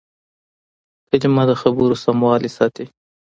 کلیمه د خبرو سموالی ساتي.